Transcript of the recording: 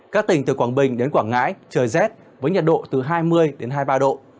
các tỉnh từ quảng bình đến quảng ngãi trời rét với nhiệt độ từ hai mươi đến hai mươi ba độ